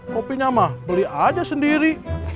kopinya mah beli aja sendiri